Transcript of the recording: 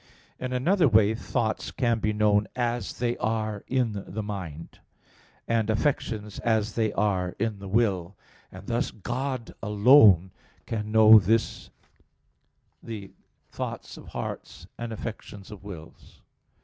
In another way thoughts can be known as they are in the mind, and affections as they are in the will: and thus God alone can know the thoughts of hearts and affections of wills.